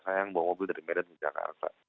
saya yang bawa mobil dari medan ke jakarta